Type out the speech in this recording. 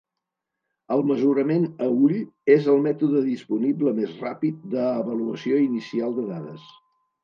El mesurament a ull és el mètode disponible més ràpid d'avaluació inicial de dades.